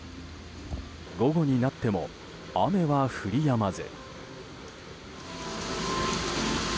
午後になっても雨は降りやまず。